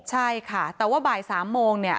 ใช่ค่ะแต่ว่าบ่าย๓โมงเนี่ย